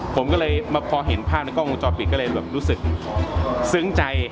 ผมก็เลยมาพอเห็นภาพในกล้องวงจรปิดก็เลยแบบรู้สึกซึ้งใจ